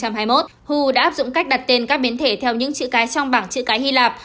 hu đã áp dụng cách đặt tên các biến thể theo những chữ cái trong bảng chữ cái hy lạp